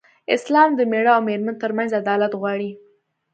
اسلام د مېړه او مېرمن تر منځ عدالت غواړي.